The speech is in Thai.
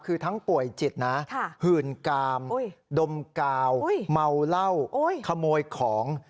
คือทั้งป่วยจิตนะหื่นกามดมกาวเมาเหล้าขโมยของ